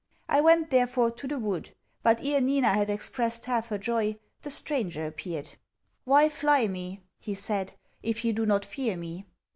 I went, therefore, to the wood; but, ere Nina had expressed half her joy, the stranger appeared. 'Why fly me,' he said, 'if you do not fear me?'